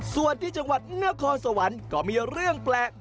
ส่วนที่จังหวัดนครสวรรค์ก็มีเรื่องแปลก